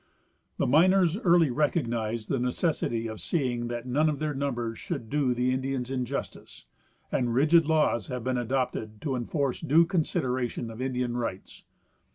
The miners early recognized the necessity of seeing that none of their number should do the Indians injustice, and rigid laws have been adopted to enforce due consideration of Indian rights.